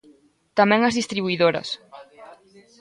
Tamén ás distribuidoras.